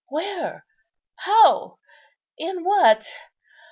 where? how? in what?